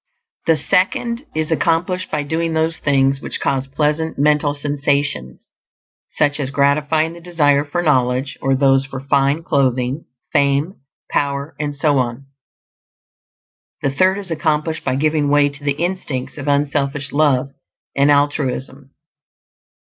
The second is accomplished by doing those things which cause pleasant mental sensations, such as gratifying the desire for knowledge or those for fine clothing, fame, power, and so on. The third is accomplished by giving way to the instincts of unselfish love and altruism.